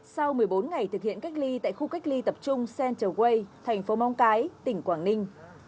sau một mươi bốn ngày thực hiện cách ly tại khu cách ly tập trung central quay thành phố mong cái tỉnh quảng ninh